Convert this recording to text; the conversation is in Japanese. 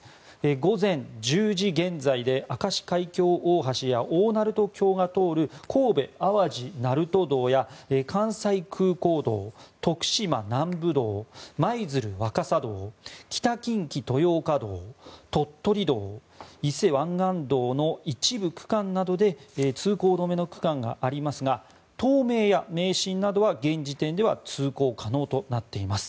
午前１０時現在で明石海峡大橋や大鳴門橋が通る神戸淡路鳴門道や関西空港道徳島南部道、舞鶴若狭道北近畿豊岡道鳥取道、伊勢湾岸道の一部区間などで通行止めの区間がありますが東名や名神などは現時点では通行可能となっています。